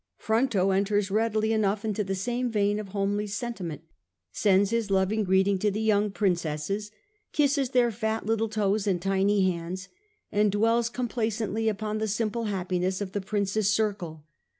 86 The Age of the Antonines, a.d. Fronto enters readily enough into the same vein of homely sentiment, sends his loving greeting to the young princesses, ' kisses their fat little toes and tiny hands,' and dwells complacently upon the simple happiness of the prince's circle.